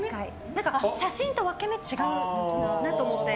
写真と分け目が違うなと思って。